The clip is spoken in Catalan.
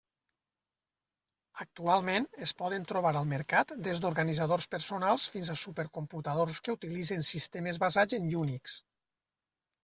Actualment es poden trobar al mercat des d'organitzadors personals fins a supercomputadors que utilitzen sistemes basats en Unix.